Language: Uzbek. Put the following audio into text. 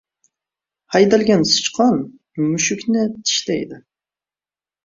• Haydalgan sichqon mushukni tishlaydi.